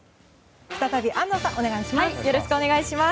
再び、安藤さんお願いします。